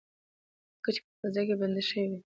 لکه چې په دروازه کې بنده شوې وي